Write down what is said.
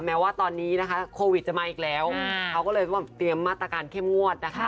แม้ว่าตอนนี้นะคะโควิดจะมาอีกแล้วเขาก็เลยเตรียมมาตรการเข้มงวดนะคะ